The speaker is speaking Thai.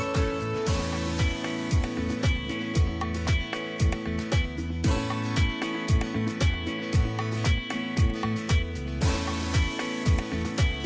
โปรดติดตามตอนต่อไป